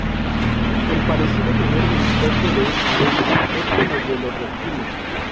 El parecido mayor del ojo de un ave es con el de los reptiles.